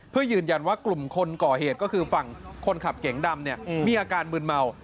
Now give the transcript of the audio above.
เพื่อยืนยันว่ากลุ่มคนก่อเหตุก็คือฝั่งคนขับเก๋งดำมีอาการมืนเมา